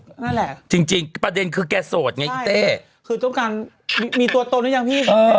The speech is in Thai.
นั่นแหละจริงจริงประเด็นคือแกโสดไงอีเต้คือต้องการมีตัวตนหรือยังพี่เออ